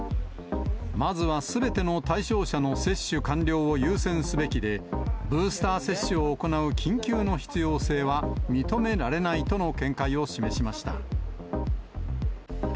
まずはすべての対象者の接種完了を優先すべきで、ブースター接種を行う緊急の必要性は、認められないとの見解を示しました。